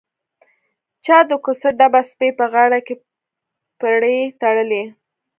چا د کوڅه ډبه سپي په غاړه کښې پړى تړلى.